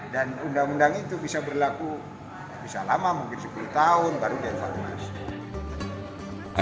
dan undang undang itu bisa berlaku bisa lama mungkin sepuluh tahun baru dia evaluasi